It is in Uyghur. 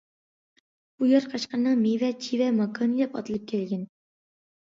بۇ يەر قەشقەرنىڭ مېۋە- چىۋە ماكانى دەپ ئاتىلىپ كەلگەن.